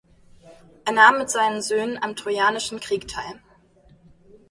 Er nahm mit seinen Söhnen am Trojanischen Krieg teil.